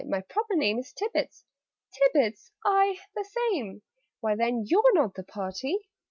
"My proper name Is Tibbets " "Tibbets?" "Aye, the same." "Why, then YOU'RE NOT THE PARTY!"